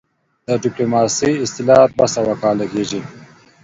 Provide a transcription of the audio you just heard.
د ډيپلوماسۍ اصطلاح دوه سوه کاله کيږي